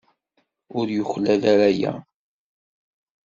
Ur yuklal ara aya.